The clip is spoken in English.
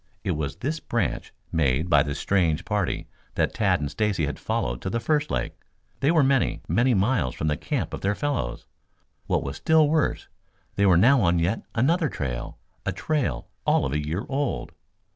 It was this branch made by the strange party that Tad and Stacy had followed to the first lake. They were many, many miles from the camp of their fellows. What was still worse, they were now on yet another trail, a trail all of a year old.